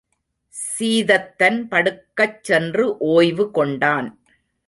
சீதத்தன் படுக்கச் சென்று ஒய்வு கொண்டான்.